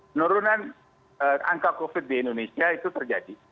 menurunan angka covid sembilan belas di indonesia itu terjadi